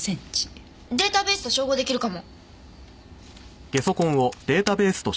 データベースと照合出来るかも。